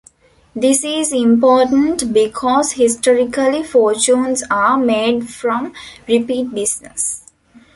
This is important because historically fortunes are made from repeat business.